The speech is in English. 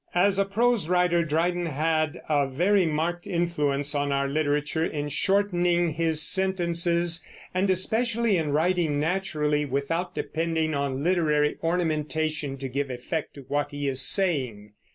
As a prose writer Dryden had a very marked influence on our literature in shortening his sentences, and especially in writing naturally, without depending on literary ornamentation to give effect to what he is saying.